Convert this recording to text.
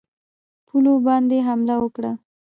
پولو باندي حمله وکړي.